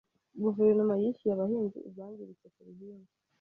Guverinoma yishyuye abahinzi ibyangiritse ku bihingwa.